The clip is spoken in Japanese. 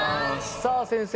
さあ先生